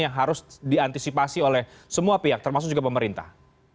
yang harus diantisipasi oleh semua pihak termasuk juga pemerintah